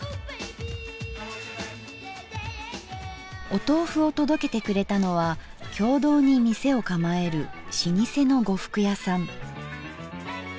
おとうふを届けてくれたのは経堂に店を構える老舗の呉服屋さん。